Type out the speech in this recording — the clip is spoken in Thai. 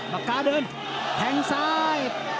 ปากกาเดินแทงซ้าย